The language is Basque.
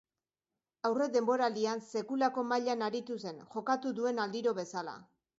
Aurredenboraldian sekulako mailan aritu zen, jokatu duen aldiro bezala.